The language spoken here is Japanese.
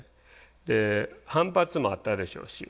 反発もあったでしょうし。